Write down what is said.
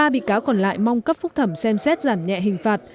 một mươi ba bị cáo còn lại mong cấp phúc thẩm xem xét giảm nhẹ hình phạt